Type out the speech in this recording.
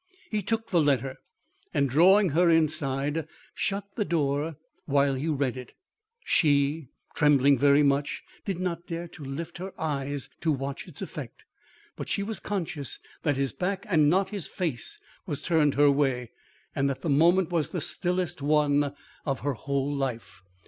He took the letter, and drawing her inside, shut the door while he read it. She, trembling very much, did not dare to lift her eyes to watch its effect, but she was conscious that his back and not his face was turned her way, and that the moment was the stillest one of her whole life.